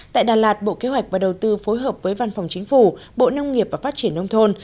tại đà lạt bộ kế hoạch và đầu tư phối hợp với văn phòng chính phủ bộ nông nghiệp và phát triển nông thôn